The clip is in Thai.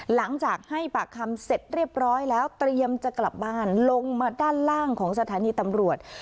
หลังจากให้ปากคำเสร็จเรียบร้อยแล้วเตรียมจะกลับบ้านลงมาด้านล่างของสถานีตำรวจ